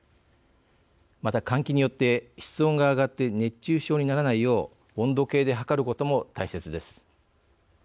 また換気によって室温が上がって熱中症にならないよう温度計で測ることも大切です。